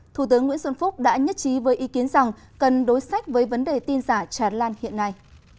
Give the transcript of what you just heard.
thủ tướng nguyễn xuân phúc đã nhất trí với ý kiến rằng cần đối sách với vấn đề tin giả tràn lan hiện nay